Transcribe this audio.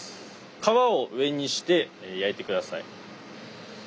皮を上にして焼いて下さい。